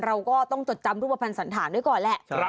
เราก็ต้องจดจำรูปภัณฑ์สันฐานไว้ก่อนแหละ